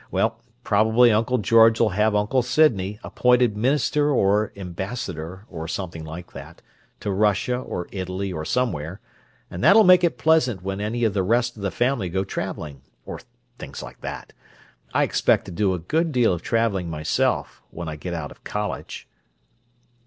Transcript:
Well, probably Uncle George'll have Uncle Sydney appointed minister or ambassador, or something like that, to Russia or Italy or somewhere, and that'll make it pleasant when any of the rest of the family go travelling, or things like that. I expect to do a good deal of travelling myself when I get out of college."